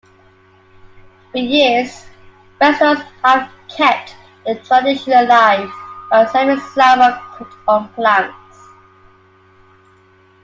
For years, restaurants have kept the tradition alive by serving salmon cooked on planks.